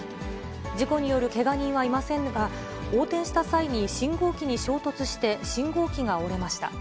事故によるけが人はいませんが、横転した際に信号機に衝突して、信号機が折れました。